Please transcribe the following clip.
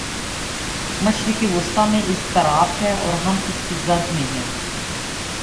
مشرق وسطی میں اضطراب ہے اور ہم اس کی زد میں ہیں۔